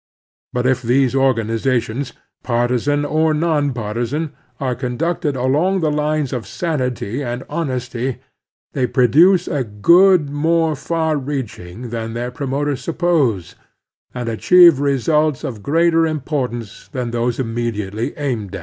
But if these organiza tions, partisan or non partisan, are conducted along the lines of sanity and honesty, they produce a good more far reaching than their promoters suppose, and achieve results of greater import ance than those immediately aimed at.